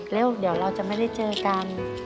แล้วเดี๋ยวเราจะไม่ได้เจอกัน